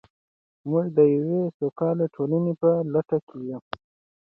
موږ د یوې سوکاله ټولنې په لټه کې یو.